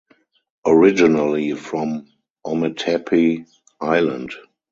Originally from Ometepe Island.